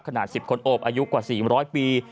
ขนาด๑๐คนโอบอายุกว่า๔๐๐ปี